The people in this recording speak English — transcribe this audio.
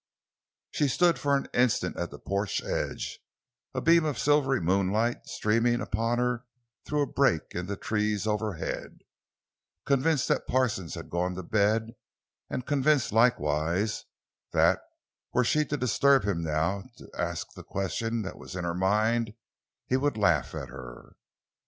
She stood for an instant at the porch edge, a beam of silvery moonlight streaming upon her through a break in the trees overhead, convinced that Parsons had gone to bed; and convinced, likewise, that, were she to disturb him now to ask the question that was in her mind, he would laugh at her.